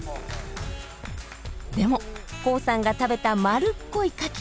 でもコウさんが食べた丸っこいカキ。